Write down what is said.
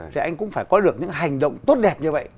thì anh cũng phải có được những hành động tốt đẹp như vậy